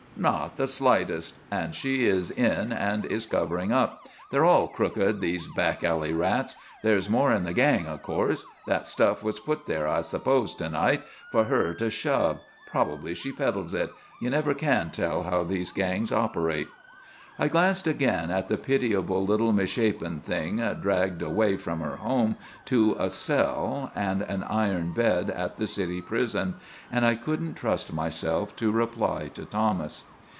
"Not the slightest. And she is in and is covering up. They're all crooked, these back alley rats. There's more in the gang, of course. That stuff was put there, I suppose, to night, for her to 'shove.' Probably she peddles it. You never can tell how these gangs operate." I glanced again at the pitiable little misshapen thing dragged away from her home to a cell and an iron bed at the city prison and I couldn't trust myself to reply to Thomas.